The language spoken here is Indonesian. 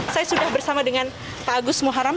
saya sudah bersama dengan pak agus muharam